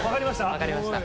分かりました。